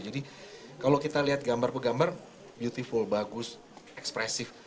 jadi kalau kita lihat gambar pegambar beautiful bagus ekspresif